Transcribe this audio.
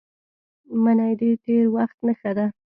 منی د تېر وخت نښه ده